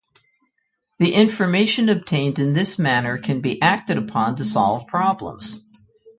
The information obtained in this manner can be acted upon to solve problems.